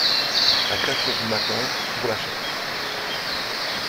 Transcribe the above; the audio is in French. À quatre heures du matin… pour la chasse !